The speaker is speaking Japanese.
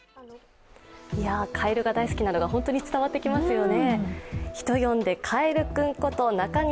かえるが大好きなのが本当に伝わってきますよね。